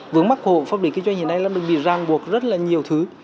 vướng mắc của hộ pháp lý kinh doanh hiện nay là mình bị ràng buộc rất là nhiều thứ